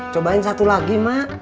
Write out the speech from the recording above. cobain satu lagi mak